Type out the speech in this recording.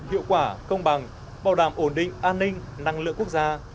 hiệu quả công bằng bảo đảm ổn định an ninh năng lượng quốc gia